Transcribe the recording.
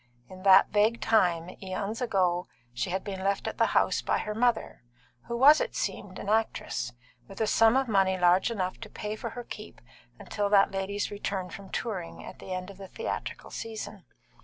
In that vague time, eons ago, she had been left at the house by her mother (who was, it seemed, an actress), with a sum of money large enough to pay for her keep until that lady's return from touring, at the end of the theatrical season.